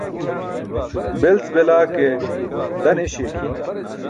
Belc belaa ke, dan eśi aki.